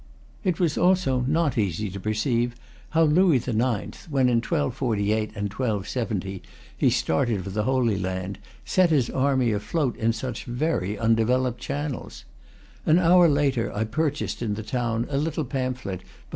It was also not easy to perceive how Louis IX., when in 1248 and 1270 he started for the Holy Land, set his army afloat in such very undeveloped channels. An hour later I purchased in the town a little pamphlet by M.